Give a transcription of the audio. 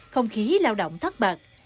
không khí lao động thất bật